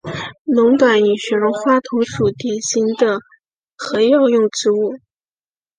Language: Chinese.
龙胆与雪绒花同属典型的和药用植物。